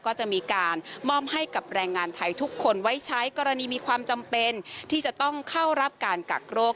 ก็จะมีการมอบให้กับแรงงานไทยทุกคนไว้ใช้กรณีมีความจำเป็นที่จะต้องเข้ารับการกักโรค